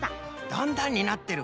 だんだんになってる。